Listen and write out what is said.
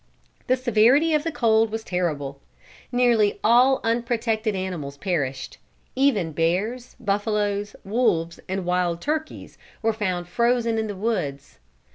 The severity of the cold was terrible. Nearly all unprotected animals perished. Even bears, buffalo, wolves, and wild turkeys were found frozen in the woods.